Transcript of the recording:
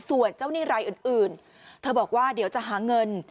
ส่วนเจ้าหนี้รายอื่นเธอบอกว่าเดี๋ยวจะหาเงิน